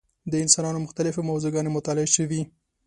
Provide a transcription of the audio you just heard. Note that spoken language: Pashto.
د انسانانو مختلفې موضوع ګانې مطالعه شوې.